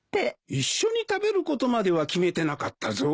一緒に食べることまでは決めてなかったぞ。